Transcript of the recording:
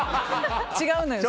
違うのよ。